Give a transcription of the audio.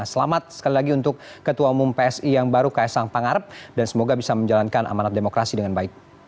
selamat sekali lagi untuk ketua umum psi yang baru ks sang pangarep dan semoga bisa menjalankan amanat demokrasi dengan baik